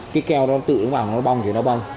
cái keo nó tự nó vào nó bong thì nó bong